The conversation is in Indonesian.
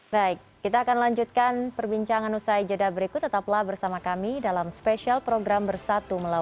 baik kita akan lanjutkan perbincangan usai jeda berikut tetaplah bersama kami dalam spesial program bersatu melawan